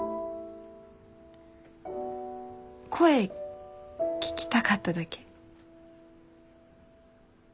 声聞きたかっただけ。